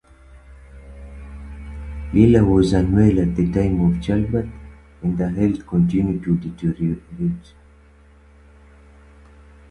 Lila was unwell at the time of childbirth, and her health continued to deteriorate.